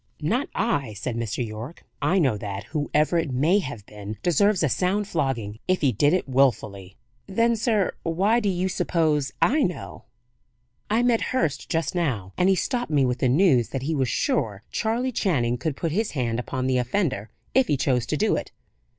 "Not I," said Mr. Yorke. "I know that, whoever it may have been deserves a sound flogging, if he did it willfully." "Then, sir, why do you suppose I know?" "I met Hurst just now, and he stopped me with the news that he was sure Charley Channing could put his hand upon the offender, if he chose to do it.